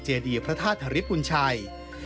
เจดีย์พระธาตุธริปุ่นชัย